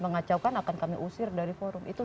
mengacaukan akan kami usir dari forum itu